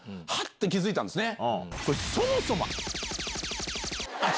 て気付いたんですね。